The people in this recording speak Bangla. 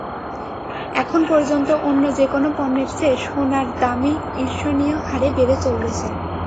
এখন পর্যন্ত অন্য যেকোনো পণ্যের চেয়ে সোনার দামই ঈর্ষণীয় হারে বেড়ে চলেছে।